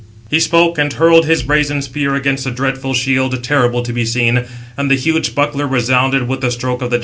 He spoke, and hurled his brazen spear against the dreadful shield, terrible [to be seen], and the huge buckler resounded with the stroke of the javelin.